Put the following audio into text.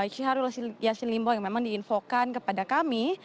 syahrul yassin limbo yang memang diinfokan kepada kami